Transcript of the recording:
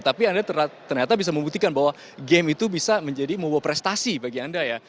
tapi anda ternyata bisa membuktikan bahwa game itu bisa menjadi membawa prestasi bagi anda ya